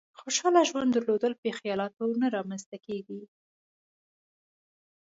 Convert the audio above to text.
خوشحاله ژوند درلودل په خيالاتو نه رامېنځ ته کېږي.